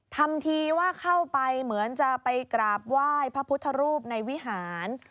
ทำทีว่าเข้าไปเหมือนจะไปกราบไหว้พระพุทธรูปในวิหาร